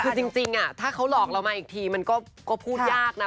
คือจริงถ้าเขาหลอกเรามาอีกทีมันก็พูดยากนะ